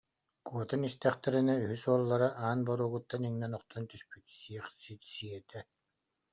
Куотан истэхтэринэ, үһүс уоллара аан боруогуттан иҥнэн охтон түспүт: «Сиэхсит сиэтэ